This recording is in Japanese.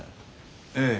ええ。